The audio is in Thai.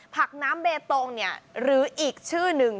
ผักน้ำเบตงเนี่ยหรืออีกชื่อหนึ่ง